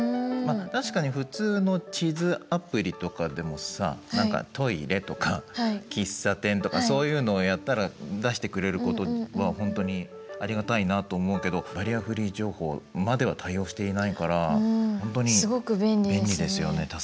確かに普通の地図アプリとかでもさトイレとか喫茶店とかそういうのをやったら出してくれることはほんとにありがたいなと思うけどバリアフリー情報までは対応していないから本当に便利ですよね。